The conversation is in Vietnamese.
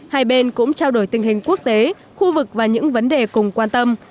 hai bên cũng trao đổi tình hình quốc tế khu vực và những vấn đề cùng quan tâm